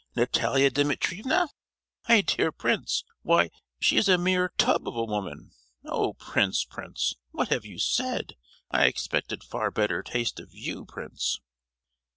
Natalia Dimitrievna? My dear prince; why, she is a mere tub of a woman! Oh! prince, prince! what have you said? I expected far better taste of you, prince!"